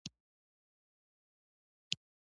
د نیوروبلاسټوما د ماشومانو سرطان دی.